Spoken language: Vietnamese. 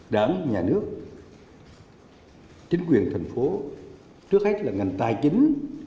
đảng nhà nước chính quyền thành phố trước hết là ngành tài chính